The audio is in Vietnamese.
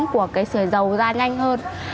của sửa dầu ra nhanh hơn